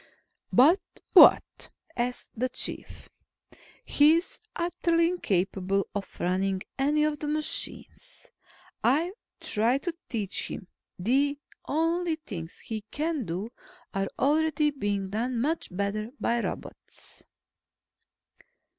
"But what?" asked the Chief. "He's utterly incapable of running any of the machines. I've tried to teach him. The only things he can do, are already being done much better by robots."